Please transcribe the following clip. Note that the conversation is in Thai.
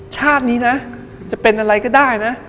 ชาตินี้นะจะเป็นอะไรก็ได้นะ